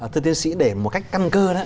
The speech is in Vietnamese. thưa tiến sĩ để một cách căn cơ